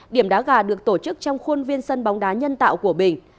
điểm đá gà được tổ chức trong khuôn viên sân bóng đá nhân tạo của bình